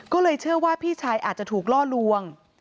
ก็เลยเชื่อว่าพี่ชายอาจจะถูกล่อลวง